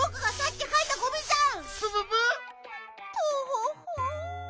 トホホ。